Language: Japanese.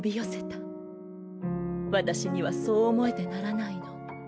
私にはそう思えてならないの。